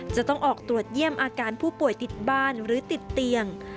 จะต้องออกตรวจเยี่ยมอาการผู้ป่วยติดบ้านหรือติดเตียง